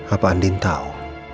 apa andin tau